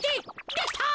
できた。